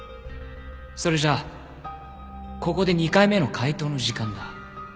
それじゃここで２回目の解答の時間だ。